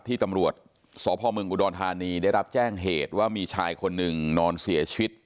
ที่ตำรวจสพเมืองอุดรธานีได้รับแจ้งเหตุว่ามีชายคนหนึ่งนอนเสียชีวิต